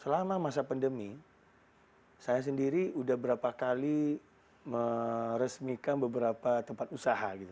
selama masa pandemi saya sendiri udah berapa kali meresmikan beberapa tempat usaha gitu